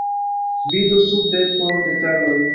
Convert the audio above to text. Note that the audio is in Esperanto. Vidu sube por detaloj.